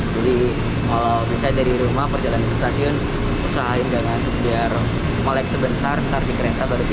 jadi kalau misalnya dari rumah perjalanan ke stasiun usahain gak ngantuk biar melek sebentar ntar di kereta baru tidur